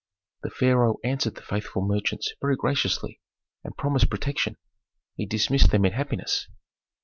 The pharaoh answered the faithful merchants very graciously, and promised protection. He dismissed them in happiness.